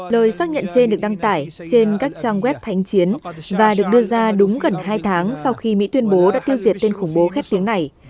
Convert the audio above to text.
lời xác nhận trên được đăng tải trên các trang web thánh chiến và được đưa ra đúng gần hai tháng sau khi mỹ tuyên bố đã tiêu diệt tên khủng bố khép tiếng này